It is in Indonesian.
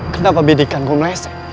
kenapa bidikkan ku meresap